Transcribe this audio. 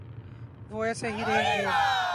وہ ایسے ہی رہیں گے۔